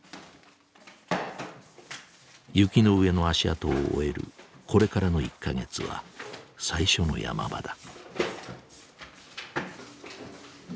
雪の上の足跡を追えるこれからの１か月は最初の山場だ。